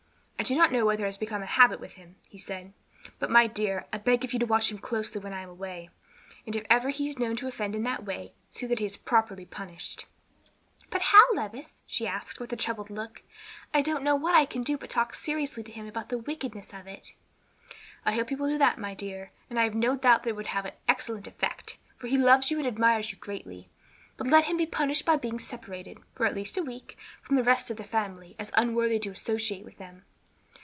"I do not know whether it has become a habit with him," he said, "but, my dear, I beg of you to watch him closely when I am away, and if he is ever known to offend in that way, see that he is properly punished." "But how, Levis?" she asked, with a troubled look. "I don't know what I can do but talk seriously to him about the wickedness of it." "I hope you will do that, my dear. I have no doubt it would have an excellent effect, for he loves and admires you greatly. But let him be punished by being separated, for at least a week, from the rest of the family, as unworthy to associate with them."